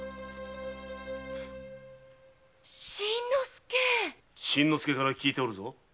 新之助新之助から聞いておるぞ。